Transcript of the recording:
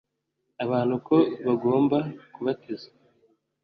abantu ko bagomba kubatizwa